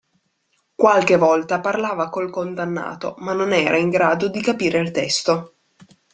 Qualche volta parlava col condannato, ma non era in grado di capire il testo.